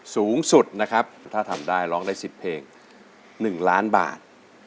สูงสุดนะครับถ้าทำได้ร้องได้๑๐เพลง๑ล้านบาท